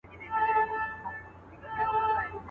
څه ووایم چي یې څرنګه آزار کړم.